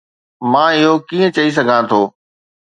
مان اهو ڪيئن چئي سگهان ٿو؟